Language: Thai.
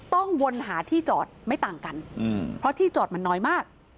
วนหาที่จอดไม่ต่างกันเพราะที่จอดมันน้อยมาก